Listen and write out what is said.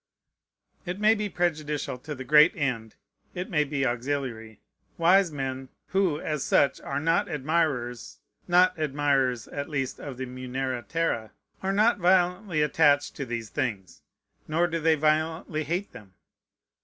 It may be prejudicial to the great end, it may be auxiliary. Wise men, who, as such, are not admirers, (not admirers at least of the munera terræ,) are not violently attached to these things, nor do they violently hate them.